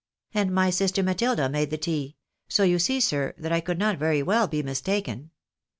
And my sister Matilda made the tea ; so you see, sir, that I could not very well be mistaken."